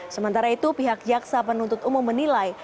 sementara itu pihak jaksa penuntut umum menilai